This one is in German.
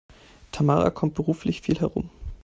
Tamara kommt beruflich viel herum.